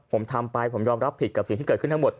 ผมทำไปผมยอมรับผิดกับสิ่งที่เกิดขึ้นทั้งหมด